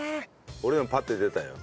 俺でもパッて出たよ。